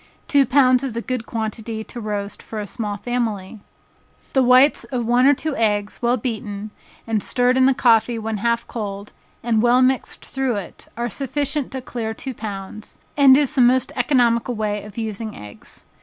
Two pounds is a good quantity to roast for a small family. The whites of one or two eggs, well beaten, and stirred in the coffee when half cold, and well mixed through it, are sufficient to clear two pounds, and is the most economical way of using eggs.